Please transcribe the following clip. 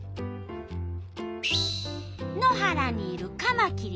野原にいるカマキリ。